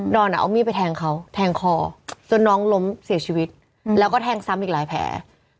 อนเอามีดไปแทงเขาแทงคอจนน้องล้มเสียชีวิตแล้วก็แทงซ้ำอีกหลายแผล